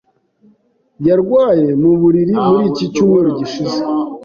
Yarwaye mu buriri muri iki cyumweru gishize.